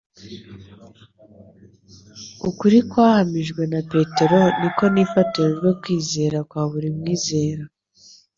Ukuri kwahamijwe na Petero niko nifatiro rwo kwizera kwa buri mwizera.